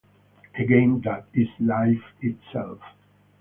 A game that is life itself.